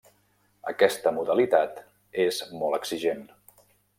Aquesta modalitat és molt exigent.